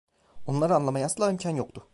Onları anlamaya asla imkan yoktu.